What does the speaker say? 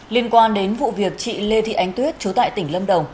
liên quan đến vụ việc chị lê thị ánh tuyết chú tại tỉnh lâm đồng